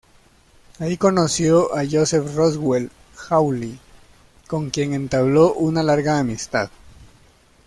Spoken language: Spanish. Allí conoció a Joseph Roswell Hawley, con quien entabló una larga amistad.